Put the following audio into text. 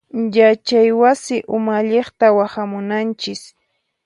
Yachay wasi umalliqta waqhamunanchis.